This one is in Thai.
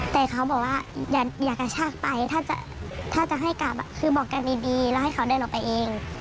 แต่เขาบอกว่าอย่ากระชากไปถ้าจะให้กลับคือบอกกันดีแล้วให้เขาเดินออกไปเอง